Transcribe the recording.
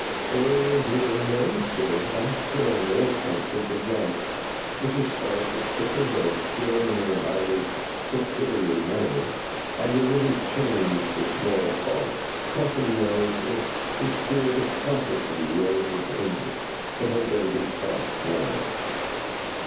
'Oh, dear no, sir, I could on no account think of that!' Mrs. Sparsit shook her head, still in her highly superior manner, and a little changed the small cough—coughing now, as if the spirit of prophecy rose within her, but had better be coughed down.